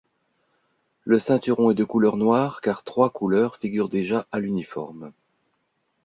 Le ceinturon est de couleur noire, car trois couleurs figurent déjà à l'uniforme.